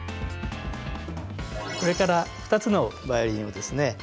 これから２つのバイオリンをですね